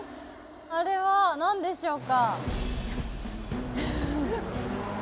あれは何でしょうか？